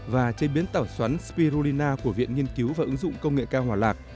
và chế biến tảo xoắn spirulina của viện nghiên cứu và ứng dụng công nghệ cao hòa lạc